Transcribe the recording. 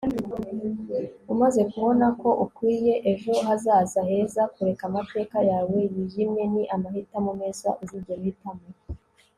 umaze kubona ko ukwiye ejo hazaza heza, kureka amateka yawe yijimye ni amahitamo meza uzigera uhitamo